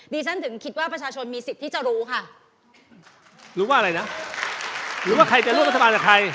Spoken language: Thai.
ฉันถึงคิดว่าประชาชนมีสิทธิ์ที่จะรู้ค่ะรู้ว่าอะไรนะหรือว่าใครจะร่วมรัฐบาลกับใคร